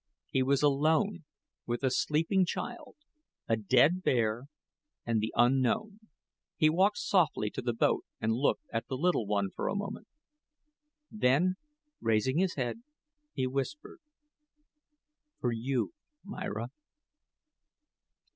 He was alone, with a sleeping child, a dead bear, and the Unknown. He walked softly to the boat and looked at the little one for a moment; then, raising his head, he whispered: "For you, Myra."